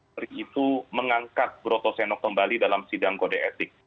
dari itu mengangkat broto seno kembali dalam sidang kode etik